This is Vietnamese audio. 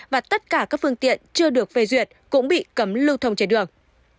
và tất cả các phương tiện chưa được phê duyệt cũng bị cấm lưu thông trên đường